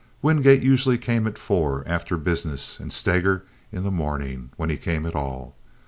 Wingate usually came at four, after business, and Steger in the morning, when he came at all.